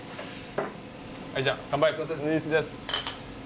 はいじゃあ乾杯。